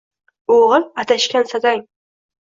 Oʼgʼil adashgan satang.